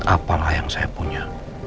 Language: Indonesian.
apalah yang saya punya